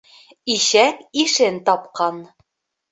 Ишәк ишен тапҡан.